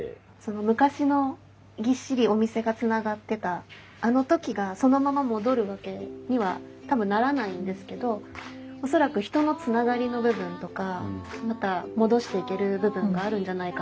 昔のぎっしりお店がつながってたあの時がそのまま戻るわけには多分ならないんですけど恐らく人のつながりの部分とかまた戻していける部分があるんじゃないかなと思っていて。